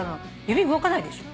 指動かないでしょ